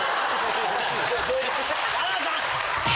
浜田さん！